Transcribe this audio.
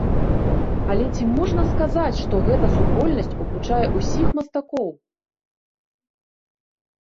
Але ці можна сказаць, што гэта супольнасць уключае ўсіх мастакоў?